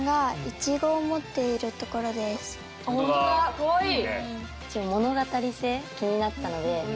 かわいい！